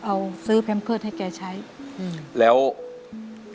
อเรนนี่คือเหตุการณ์เริ่มต้นหลอนช่วงแรกแล้วมีอะไรอีก